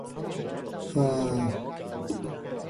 水晶即係高級嘅玻璃